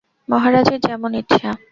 মহারাজের যেমন ইচ্ছা।